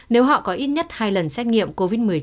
nếu họ có ít nhất hai lần xét nghiệm covid một mươi chín